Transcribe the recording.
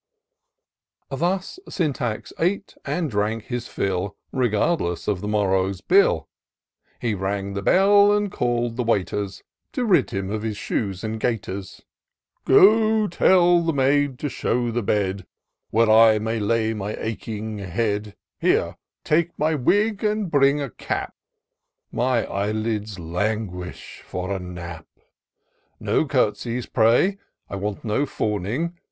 Thus Syntax ate and drank his fill, Regardless of the morrow's bill ; 68 TOUR OF DOCTOR SYNTAX He rang the bell, and call'd the waiters, To rid him of his shoes and gaiters. *' Go tell the maid to shew the bed. Where I may lay my aching head ; Here, take my wig and bring a cap My eye lids languish for a nap : No court'sying, pray ; I want no fawning.